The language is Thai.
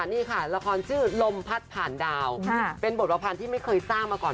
นี่ค่ะละครชื่อลมพัดผ่านดาวเป็นบทประพันธ์ที่ไม่เคยสร้างมาก่อน